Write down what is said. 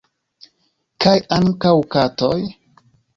Kaj ankaŭ katoj?